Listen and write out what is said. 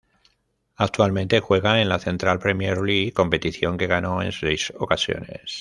Actualmente juega en la Central Premier League, competición que ganó en seis ocasiones.